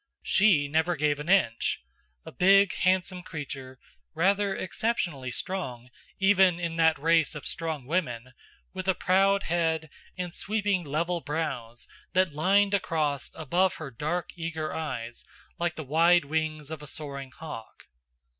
She never gave an inch. A big, handsome creature, rather exceptionally strong even in that race of strong women, with a proud head and sweeping level brows that lined across above her dark eager eyes like the wide wings of a soaring hawk.